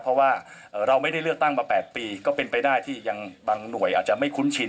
เพราะว่าเราไม่ได้เลือกตั้งมา๘ปีก็เป็นไปได้ที่ยังบางหน่วยอาจจะไม่คุ้นชิน